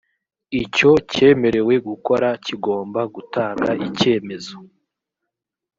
icyo cyemererwe gukora kigomba gutanga icyemezo